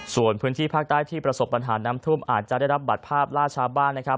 ส่วนพื้นที่ภาคใต้ที่ประสบปัญหาน้ำท่วมอาจจะได้รับบัตรภาพล่าช้าบ้านนะครับ